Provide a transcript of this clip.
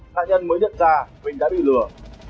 nạn nhân mới nhận ra mình đã bị lừa